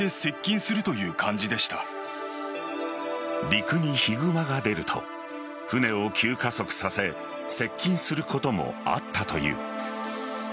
陸にヒグマが出ると船を急加速させ接近することもあったという。